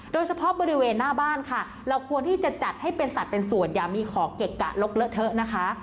โดยเฉพาะบริเวณหน้าบ้านค่ะเราควรที่จะจัดให้เป็นสัตว์เป็นส่วนอย่ามีขอเกะกะลกเลอะเทอะนะคะ